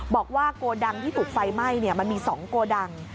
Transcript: บอกว่าโกดังที่ถูกไฟไหม้มันมี๒โกดัง